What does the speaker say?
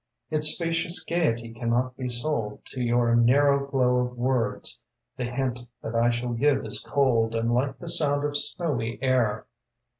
Its spacious gaiety cannot be sold To your narrow glow of words. The hint that I shall give is cold And like the sound of snowy air.